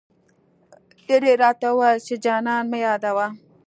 نن يې راته وويل، چي جانان مه يادوه